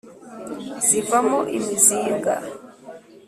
zivamo imizinga,